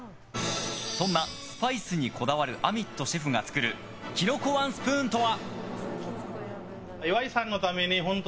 そんなスパイスにこだわるアミットシェフが作るキノコワンスプーンとは？